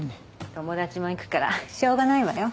友達も行くからしょうがないわよ。